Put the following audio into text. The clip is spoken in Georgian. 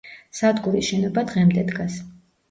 სადგურის შენობა დღემდე დგას.